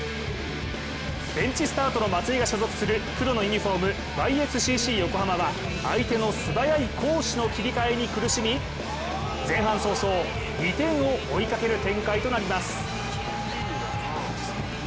ベンチスタートの松井が所属する黒のユニフォームＹ．Ｓ．Ｃ．Ｃ．横浜は相手の素早い攻守の切り替えに苦しみ前半早々２点を追いかける展開となります